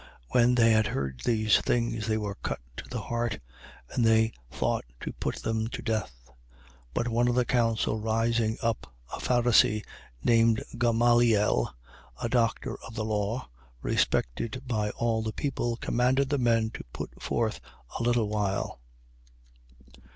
5:33. When they had heard these things, they were cut to the heart: and they thought to put them to death. 5:34. But one in the council rising up, a Pharisee, named Gamaliel, a doctor of the law, respected by all the people, commanded the men to be put forth a little while.